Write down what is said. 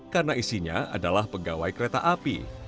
karena isinya adalah pegawai kereta api